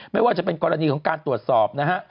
ไม่ว่าจะเป็นกรณีของการตรวจสอบนะฮะ